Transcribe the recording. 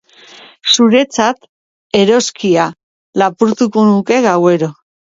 zuretzat, eroskia, lapurtuko nuke gauero